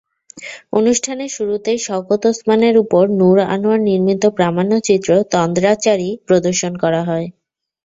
অনুষ্ঠানের শুরুতেই শওকত ওসমানের ওপর নূর আনোয়ার নির্মিত প্রামাণ্যচিত্র তন্দ্রাচারী প্রদর্শন করা হয়।